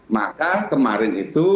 maka kemarin itu